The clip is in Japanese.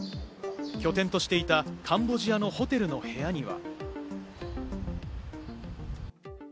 拠点としていたカンボジアのホテルの部屋には。